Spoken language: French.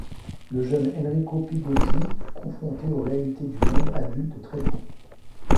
Le jeune Enrico Pigozzi fut confronté aux réalités du monde adulte très tôt.